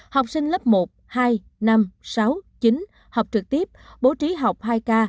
học sinh lớp một hai năm sáu chín học trực tiếp bố trí học hai k